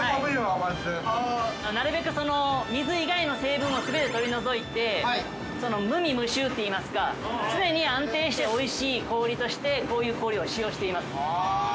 なるべく水以外の成分を全て取り除いて無味無臭っていいますか、常に安定しておいしい氷としてこういう氷を使用しています。